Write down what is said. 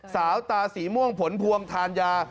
สาวตาสีม่วงผลพวงทานยา